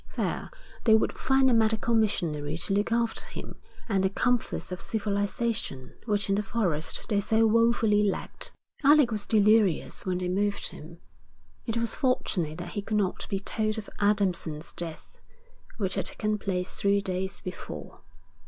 There they would find a medical missionary to look after him and the comforts of civilisation which in the forest they so woefully lacked. Alec was delirious when they moved him. It was fortunate that he could not be told of Adamson's death, which had taken place three days before.